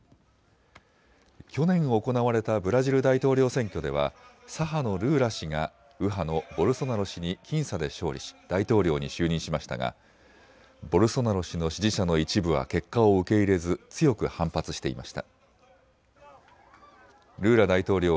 去年、行われたブラジル大統領選挙では左派のルーラ氏が右派のボルソナロ氏に僅差で勝利し大統領に就任しましたがボルソナロ氏の支持者の一部は結果を受け入れず強く反発していました。